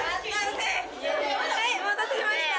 はいお待たせしました。